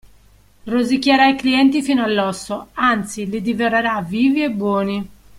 Rosicchierà i clienti fino all'osso: anzi li divorerà vivi e buoni.